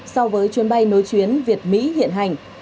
so với chuyến bay nối chuyến việt mỹ hiện hành